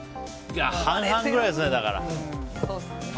半々くらいですね。